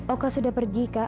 oka sudah pergi kak